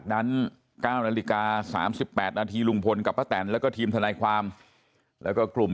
๓๘นาทีลุงพลกับพระแต่นแล้วก็ทีมธนาความแล้วก็กลุ่ม